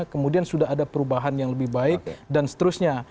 kemudian sudah ada perubahan yang lebih baik dan seterusnya